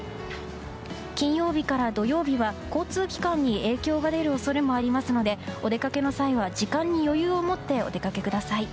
金曜日から土曜日は交通機関に影響が出る恐れもありますのでお出かけの際は時間に余裕を持ってお出かけください。